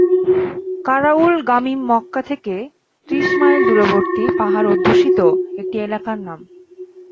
কারাউল গামীম মক্কা থেকে ত্রিশ মাইল দূরবর্তী পাহাড় অধ্যুষিত একটি এলাকার নাম।